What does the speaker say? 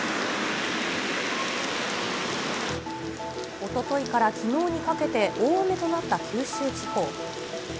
おとといからきのうにかけて、大雨となった九州地方。